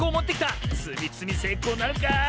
つみつみせいこうなるか？